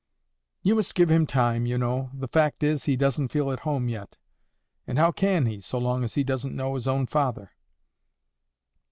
"You must give him time, you know. The fact is, he doesn't feel at home yet.' And how can he, so long as he doesn't know his own Father?"